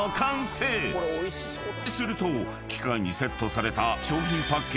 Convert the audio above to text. ［すると機械にセットされた］